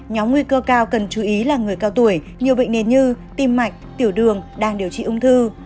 nhóm nguy cơ cao cần chú ý là người cao tuổi nhiều bệnh nền như tim mạch tiểu đường đang điều trị ung thư